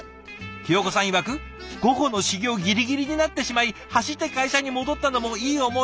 ひよこさんいわく「午後の始業ギリギリになってしまい走って会社に戻ったのもいい思い出！」